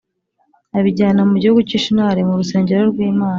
abijyana mu gihugu cy’i Shinari mu rusengero rw’imana